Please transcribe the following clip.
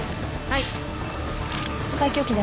はい。